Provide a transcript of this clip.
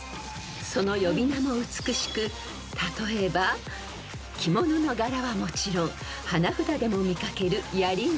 ［その呼び名も美しく例えば着物の柄はもちろん花札でも見掛ける］